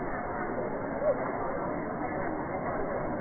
ก็จะมีอันดับอันดับอันดับอันดับอันดับ